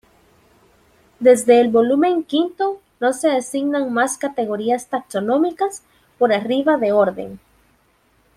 Desde el Volumen V no se asignan más categorías taxonómicas por arriba de Orden.